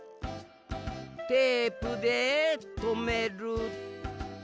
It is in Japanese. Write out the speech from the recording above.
テープでとめる。